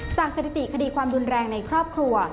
สถิติคดีความรุนแรงในครอบครัว